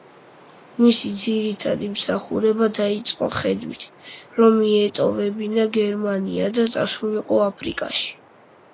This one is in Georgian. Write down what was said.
მისი ძირითადი მსახურება დაიწყო ხედვით, რომ მიეტოვებინა გერმანია და წასულიყო აფრიკაში.